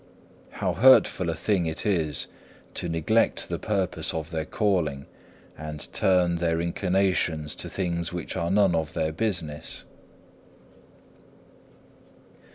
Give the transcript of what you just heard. How hurtful a thing it is to neglect the purpose of their calling, and turn their inclinations to things which are none of their business.